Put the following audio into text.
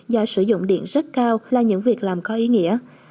do sử dụng điện rất cao là những việc làm có ý nghĩa